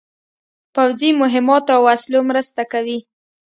پوځي مهماتو او وسلو مرسته کوي.